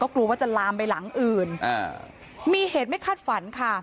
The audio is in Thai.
กลัวว่าจะลามไปหลังอื่นอ่ามีเหตุไม่คาดฝันค่ะ